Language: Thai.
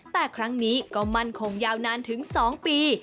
แต่ครั้งนี้ก็มั่นคงยาวนานถึง๒ปี